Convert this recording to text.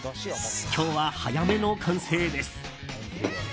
今日は早めの完成です。